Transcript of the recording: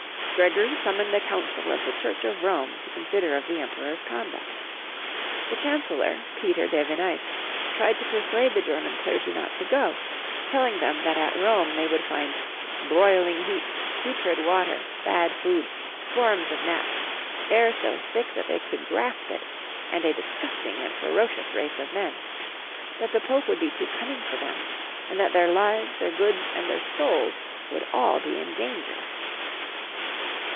Gregory summoned a council of the Church of Rome to consider of the Emperor's conduct. The chancellor, Peter de Vineis, tried to persuade the German clergy not to go, telling them that at Rome they would find " broiling heat, putrid water, bad food, swarms of gnats, air so thick that they could grasp it, and a disgusting and ferocious race of men ; that the Pope would be too cunning for them, and that their lives, their goods, and their souls would all be in danger."